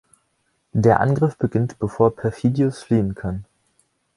Der Angriff beginnt, bevor Perfidius fliehen kann.